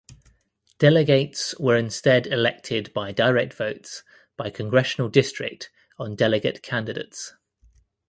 Delegates were instead elected by direct votes by congressional district on delegate candidates.